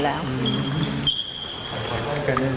เห็นว่าตอนนี้พี่ยังไม่ได้พบอะไรเลยยังค่ะยัง